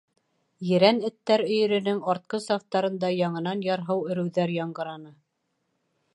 Ерән эттәр өйөрөнөң артҡы сафтарында яңынан ярһыу өрөүҙәр яңғыраны.